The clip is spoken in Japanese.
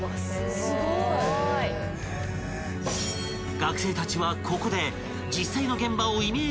［学生たちはここで］